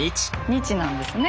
「日」なんですね